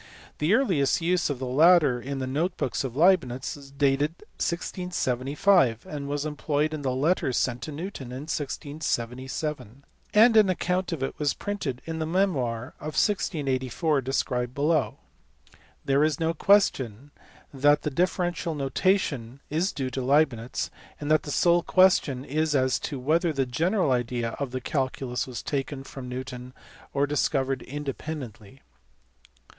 The earliest use of the latter in the note books of Leibnitz is dated 1675, it was employed in the letter sent to Newton in 1677, and an account of it was printed in the memoir of 1684 described below. There is no question that the differential notation is due to Leibnitz, and the sole question is as to whether the general idea of the calculus was taken from Newton or discovered independently.